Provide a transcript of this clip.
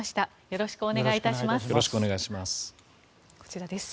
よろしくお願いします。